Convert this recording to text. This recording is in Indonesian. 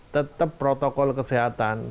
tetap protokol kesehatan